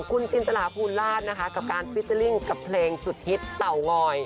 คุณจินตราภูราชนะคะกับการกับเพลงสุดฮิตเต่างอย